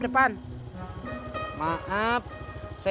legalnyaeng nya ngerawir red tube nur